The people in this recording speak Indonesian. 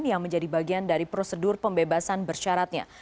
yang menjadi bagian dari prosedur pembebasan bersyaratnya